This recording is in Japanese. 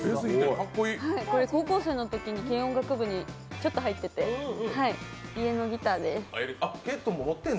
高校生のとき、軽音楽部にちょっと入っていて家のギターです。